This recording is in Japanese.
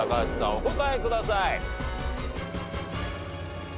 お答えください。